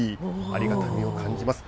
ありがたみを感じます。